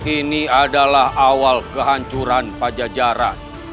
ini adalah awal kehancuran pajajaran